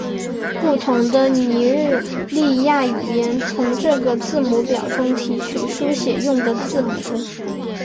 不同的尼日利亚语言从这个字母表中提取书写用的字母。